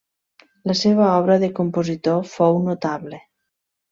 La seva obra de compositor fou notable.